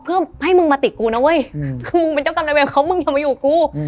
เพื่อให้มึงมาติดกูนะเว้ยมึงเป็นเจ้ากรรมระเวนเขามึงอย่ามาอยู่กู